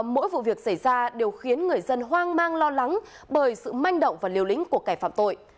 mang mang lo lắng bởi sự manh động và liều lĩnh của cải phạm tội